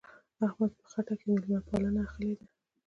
احمد په خټه کې مېلمه پالنه اخښلې ده.